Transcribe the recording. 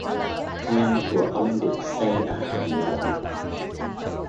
lăng của ông được xây ở Hà Nội